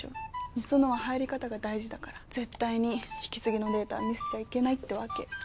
美園は入り方が大事だから絶対に引き継ぎのデータは見せちゃいけないってわけ。